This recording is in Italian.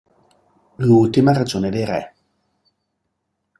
L'ultima ragione dei re.